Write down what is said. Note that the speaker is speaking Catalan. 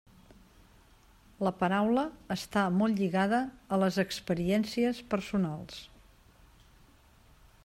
La paraula està molt lligada a les experiències personals.